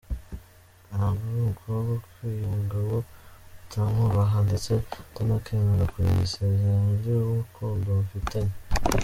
Ntabwo uri umukobwa ukwiye umugabo utamwubaha ndetse utanakemera kurinda isezerano ry’urukundo mufitanye.